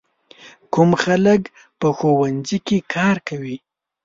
کوم خلک په ښوونځي کې کار کوي؟